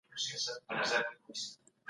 هیوادونه څنګه په بهرنیو چارو کي خپلواکي ساتي؟